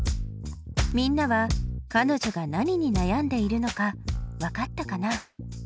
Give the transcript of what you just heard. みんなはかのじょが何に悩んでいるのかわかったかな？